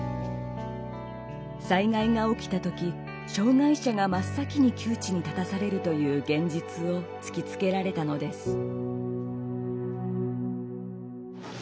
災害が起きた時障害者が真っ先に窮地に立たされるという現実を突きつけられたのです。